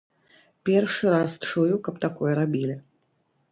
Першы раз чую, каб такое рабілі.